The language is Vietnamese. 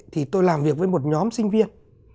thì tôi làm việc với một nhóm sinh viên